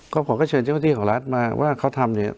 ก็ผมก็เชิญเจ้าหน้าที่ของรัฐมาว่าเขาทำเนี่ย